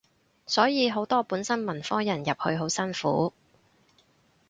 所以好多本身文科人入去好辛苦